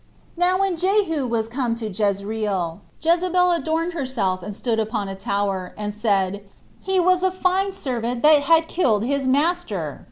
4. Now when Jehu was come to Jezreel, Jezebel adorned herself and stood upon a tower, and said, he was a fine servant that had killed his master!